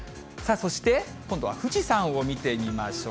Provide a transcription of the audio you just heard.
そして、今度は富士山を見てみましょう。